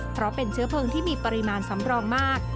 เพราะเป็นเชื้อเพลิงที่มีปริมาณสำรองมาก